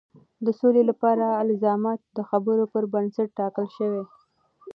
د سولې لپاره الزامات د خبرو پر بنسټ ټاکل شوي.